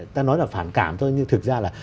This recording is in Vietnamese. ta nói là phản cảm thôi nhưng thực ra là